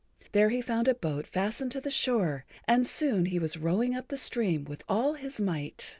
There he found a boat fastened to the shore, and soon he was rowing up the stream with all his might.